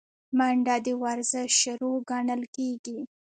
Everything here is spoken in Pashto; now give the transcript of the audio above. منډه د ورزش شروع ګڼل کېږي